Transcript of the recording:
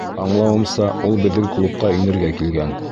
Аңлауымса, ул беҙҙең клубҡа инергә килгән.